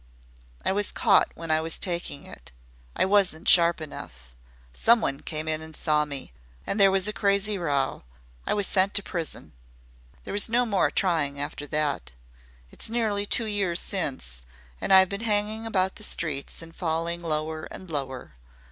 I was caught when I was taking it. I wasn't sharp enough. Someone came in and saw me, and there was a crazy row. I was sent to prison. There was no more trying after that. It's nearly two years since, and I've been hanging about the streets and falling lower and lower.